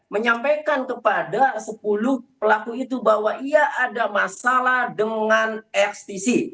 menyampaikan kepada sepuluh pelaku itu bahwa ia ada masalah dengan ftc